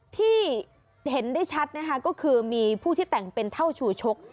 ที่เห็นได้ชัดนะคะก็คือมีผู้ที่แต่งเป็นเท่าชูชก